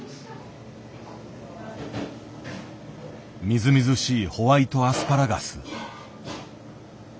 みずみずしいホワイトアスパラガス。